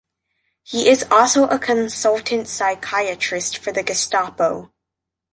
He is also a consultant psychiatrist for the Gestapo.